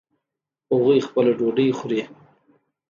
هغوی خپله ډوډۍ خوري